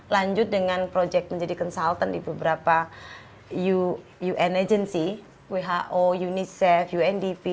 lanjut dengan proyek menjadi consultant di beberapa un agency who unicef undp